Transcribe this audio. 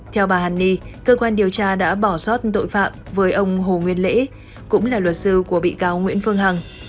theo bà hàn ni cơ quan điều tra đã bỏ sót tội phạm với ông hồ nguyên lễ cũng là luật sư của bị cáo nguyễn phương hằng